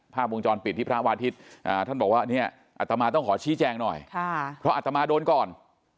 ภาพวงจรปิดที่พระวาทิศท่านบอกว่าเนี่ยอัตมาต้องขอชี้แจงหน่อยเพราะอัตมาโดนก่อน